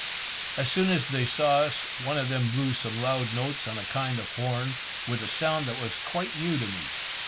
As soon as they saw us, one of them blew some loud notes on a kind of horn, with a sound that was quite new to me.